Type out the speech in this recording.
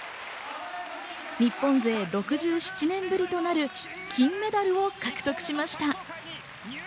日本勢６７年ぶりとなる金メダルを獲得しました。